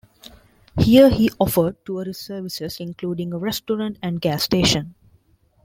Here he offered tourist services including a restaurant and gas station.